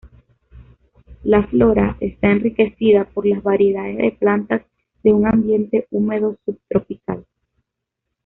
La flora está enriquecida por las variedades de plantas de un ambiente húmedo subtropical.